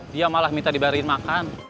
dia malah minta dibayarin makan